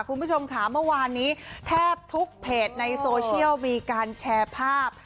คุณผู้ชมค่ะเมื่อวานนี้แทบทุกเพจในโซเชียลมีการแชร์ภาพ